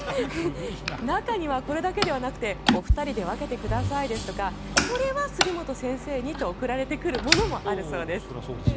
中にはこれだけではなくてお二人で分けてくださいですとかこれは杉本先生にと贈られてくるものもあるそうです。